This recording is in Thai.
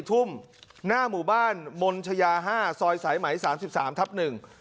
ทุ่มหน้าหมู่บ้านมนชายาห้าซอยสายไหมสามสิบสามทับหนึ่ง